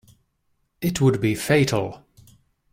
It would be fatal.